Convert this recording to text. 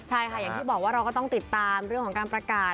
ใช่ค่ะอย่างที่บอกว่าเราก็ต้องติดตามเรื่องของการประกาศ